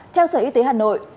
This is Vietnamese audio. theo sở y tế hà nội